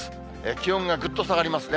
気温がぐっと下がりますね。